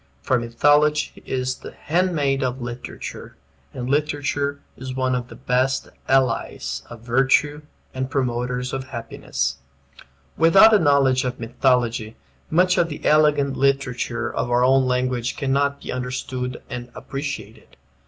For Mythology is the handmaid of literature; and literature is one of the best allies of virtue and promoters of happiness. Without a knowledge of mythology much of the elegant literature of our own language cannot be understood and appreciated.